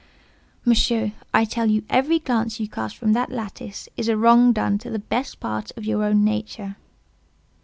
"Monsieur, I tell you every glance you cast from that lattice is a wrong done to the best part of your own nature.